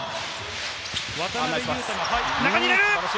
渡邊雄太が中に入れる！